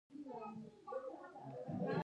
د ننګرهار تربوز وختي بازار ته راځي.